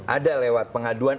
ada lewat pengaduan